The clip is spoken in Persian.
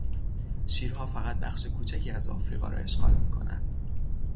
شیرها فقط بخش کوچکی از افریقا را اشغال میکنند.